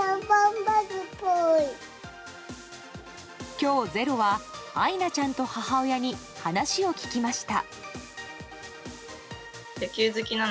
今日、「ｚｅｒｏ」はあいなちゃんと母親に話を聞きました。